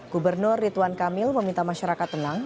gubernur ridwan kamil meminta masyarakat tenang